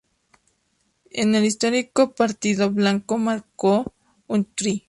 En el histórico partido Blanco marcó un try.